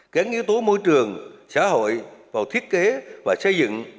kéo nghĩa tố môi trường xã hội vào thiết kế và xây dựng